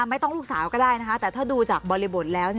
ลูกสาวก็ได้นะคะแต่ถ้าดูจากบริบทแล้ว